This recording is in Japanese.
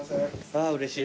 あぁうれしい。